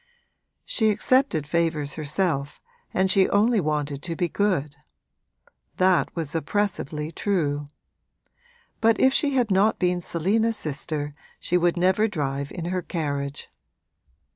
She accepted favours herself and she only wanted to be good: that was oppressively true; but if she had not been Selina's sister she would never drive in her carriage.